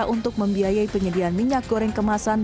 untuk membiayai penyediaan minyak goreng kemasan